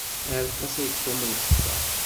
Tɛelleq-as ageṭṭum n lfeṭṭa.